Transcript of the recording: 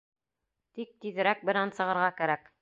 Тик тиҙерәк бынан сығырға кәрәк!